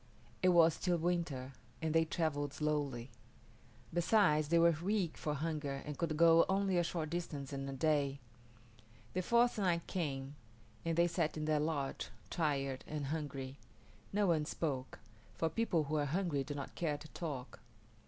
It was still winter, and they travelled slowly. Besides, they were weak from hunger and could go only a short distance in a day. The fourth night came, and they sat in their lodge, tired and hungry. No one spoke, for people who are hungry do not care to talk.